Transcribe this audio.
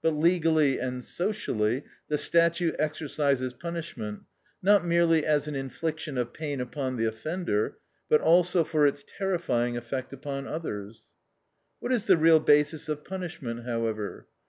But legally and socially the statute exercises punishment, not merely as an infliction of pain upon the offender, but also for its terrifying effect upon others. What is the real basis of punishment, however?